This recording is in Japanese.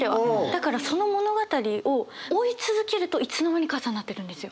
だからその物語を追い続けるといつの間にか朝になってるんですよ。